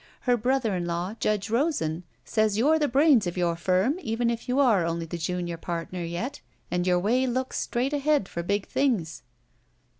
Her brother in law. Judge Rosen, says you're the brains of your firm even if you are only the jtmior partner yet, and your way looks straight ahead for big things."